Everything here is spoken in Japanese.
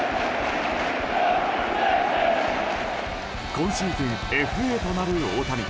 今シーズンＦＡとなる大谷。